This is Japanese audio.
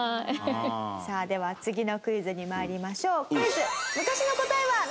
さあでは次のクイズに参りましょう。